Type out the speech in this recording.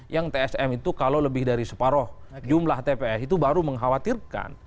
yang tsm itu kalau lebih dari separoh jumlah tps itu baru mengkhawatirkan